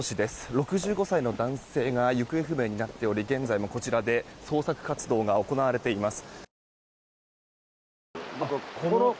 ６５歳の男性が行方不明になっており現在も捜索活動が行われています。